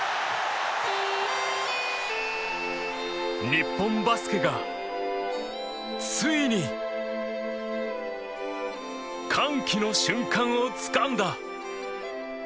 日本バスケがついに歓喜の瞬間をつかんだ。